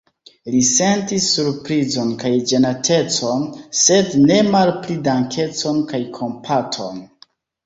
Li sentis surprizon kaj ĝenatecon, sed ne malpli dankecon kaj kompaton.